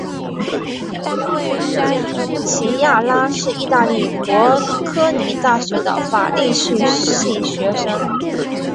琪亚拉是意大利博科尼大学的法律系学生。